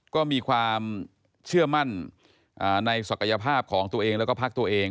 ก็มีความเชื่อมั่นในศักยภาพของตัวเองแล้วก็พักตัวเอง